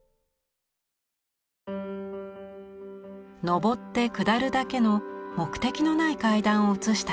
上って下るだけの目的のない階段を写した写真。